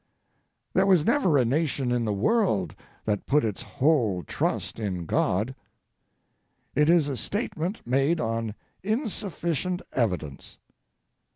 There was never a nation in the world that put its whole trust in God. It is a statement made on insufficient evidence.